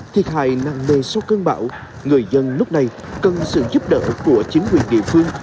thiệt hại nặng nề sau cơn bão người dân lúc này cần sự giúp đỡ của chính quyền địa phương